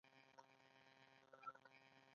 هغوی د باد له یادونو سره راتلونکی جوړولو هیله لرله.